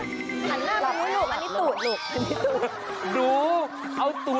ทางหน้ามิรูปอันนี่ตูหลุก